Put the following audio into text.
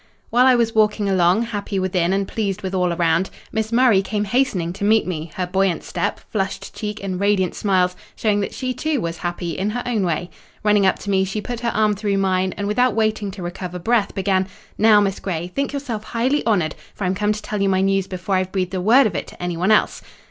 While I was walking along, happy within, and pleased with all around, Miss Murray came hastening to meet me; her buoyant step, flushed cheek, and radiant smiles showing that she, too, was happy, in her own way. Running up to me, she put her arm through mine, and without waiting to recover breath, began—"Now, Miss Grey, think yourself highly honoured, for I'm come to tell you my news before I've breathed a word of it to anyone else."